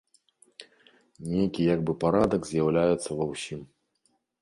Нейкі як бы парадак з'яўляўся ва ўсім.